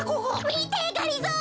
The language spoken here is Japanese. みてがりぞー！